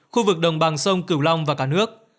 khu vực đồng bằng sông cửu long và cả nước